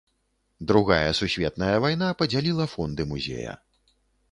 Другая сусветная вайна падзяліла фонды музея.